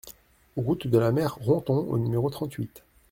Route de la Mer Ronthon au numéro trente-huit